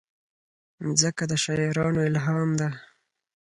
مځکه د شاعرانو الهام ده.